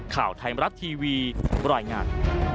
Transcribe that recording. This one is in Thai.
ข่าวไทยมรัฐทีวีรายงาน